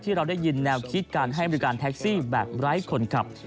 เราได้ยินแนวคิดการให้บริการแท็กซี่แบบไร้คนขับ